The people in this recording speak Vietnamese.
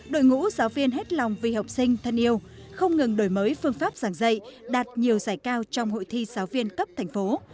đội ngũ giáo viên hết lòng vì học sinh thân yêu không ngừng đổi mới phương pháp giảng dạy đạt nhiều giải cao trong hội thi giáo viên cấp thành phố